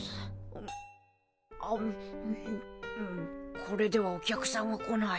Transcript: あむうんこれではお客さんは来ない。